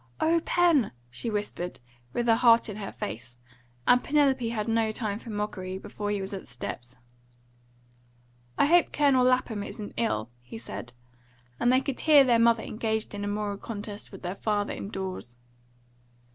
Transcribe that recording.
"O Pen!" she whispered, with her heart in her face; and Penelope had no time for mockery before he was at the steps. "I hope Colonel Lapham isn't ill," he said, and they could hear their mother engaged in a moral contest with their father indoors.